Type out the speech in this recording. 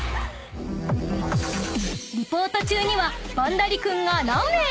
［リポート中にはバンダリ君がランウェイへ］